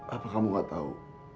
apa kamu gak tahu